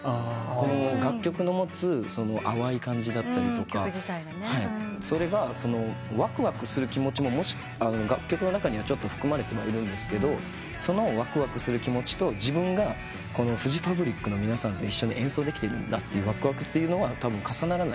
楽曲の持つ淡い感じだったりとかそれがわくわくする気持ちも楽曲の中には含まれているんですけどそのわくわくする気持ちと自分がフジファブリックの皆さんと一緒に演奏できてるんだってわくわくというのはたぶん重ならないなと思って。